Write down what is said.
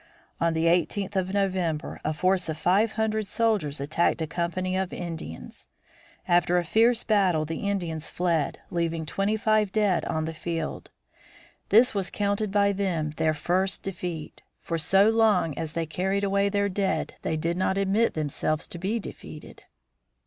On the eighteenth of November a force of five hundred soldiers attacked a company of Indians. After a fierce battle the Indians fled, leaving twenty five dead on the field. This was counted by them their first defeat, for so long as they carried away their dead they did not admit themselves to be defeated.